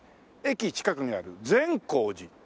駅近くにある善光寺。